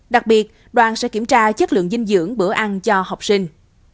đặc biệt đoàn sẽ kiểm tra chất lượng dinh dưỡng bữa ăn cho học sinh